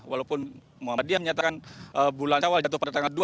walaupun muhammadiyah menyatakan bulan syawal jatuh pada tanggal dua